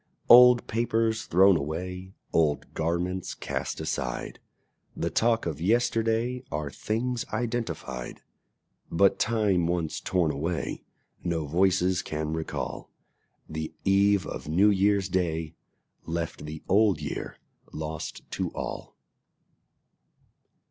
Old papers thrown away, Old garments cast aside, The talk of yesterday, Are things identified; But time once torn away No voices can recall: The eve of New Year's Day Left the Old Year lost to all.